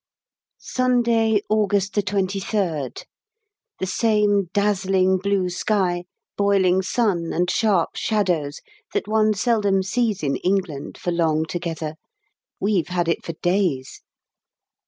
Sunday, August 23rd. The same dazzling blue sky, boiling sun, and sharp shadows that one seldom sees in England for long together; we've had it for days.